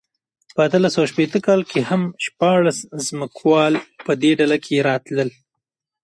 په اتلس سوه شپېته کال کې هم شپاړس ځمکوال په دې ډله کې راتلل.